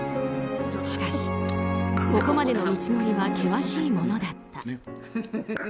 しかし、ここまでの道のりは険しいものだった。